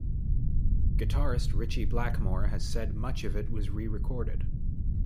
Guitarist Ritchie Blackmore has said much of it was re-recorded.